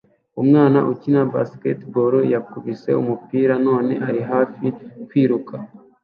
Umwana ukina baseball yakubise umupira none ari hafi kwiruka